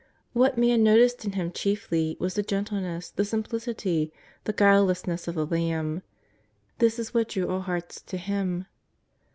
What man no ticed in Him chiefly was the gentleness, the simplicity, the guilelessness of the lamb. This is what drew all hearts to Him.